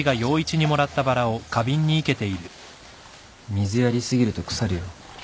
水やり過ぎると腐るよ。